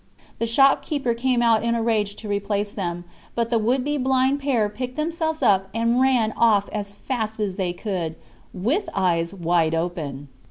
The shopkeeper came out in a rage to replace them, but the would be blind pair picked themselves up and ran off as fast as they could, with eyes wide open.